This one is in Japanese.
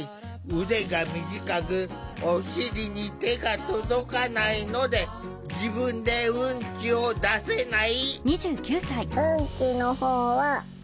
腕が短くお尻に手が届かないので自分でウンチを出せない。